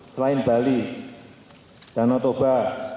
selain bali danau toba